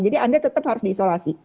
jadi anda tetap harus di isolasi